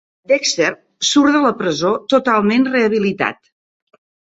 Dexter surt de la presó totalment rehabilitat.